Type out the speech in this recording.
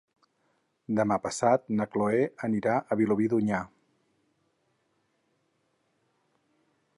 Demà passat na Chloé anirà a Vilobí d'Onyar.